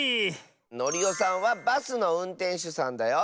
ノリオさんはバスのうんてんしゅさんだよ。